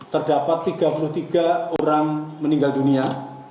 terdapat tiga puluh tiga orang meninggal dunia